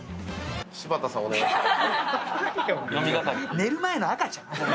寝る前の赤ちゃん？